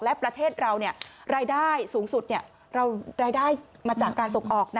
และประเทศเรารายได้สูงสุดมาจากการส่งออก